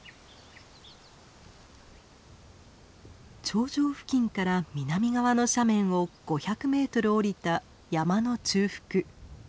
頂上付近から南側の斜面を５００メートル下りた山の中腹。